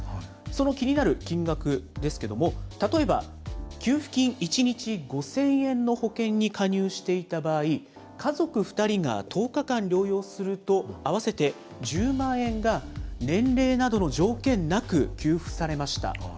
その気になる金額ですけれども、例えば給付金１日５０００円の保険に加入していた場合、家族２人が１０日間療養すると、合わせて１０万円が年齢などの条件なく、給付されました。